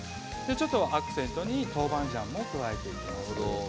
アクセントに豆板醤も加えます。